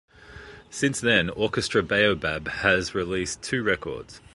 Since then Orchestra Baobab has released two records.